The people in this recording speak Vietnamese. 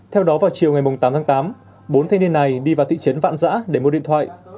theo đó vào chiều ngày tám tháng tám bốn thanh niên này đi vào thị trấn vạn giã để mua điện thoại